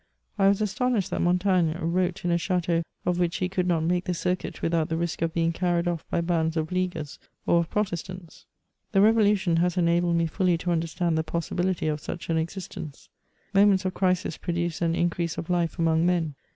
I was astonished that Montaigne wrote in a chateau of which he could not make the circuit without th^ risk of being carried off by bands of leaguers or of Protestants. The Revolution has enabled me fully to understand the possibi lity of such an existence. Moments of crisis produce an increase of life among men.